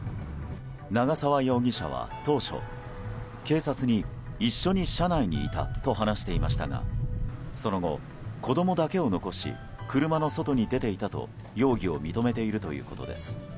長澤容疑者は当初、警察に一緒に車内にいたと話していましたがその後、子供だけを残し車の外に出ていたと容疑を認めているということです。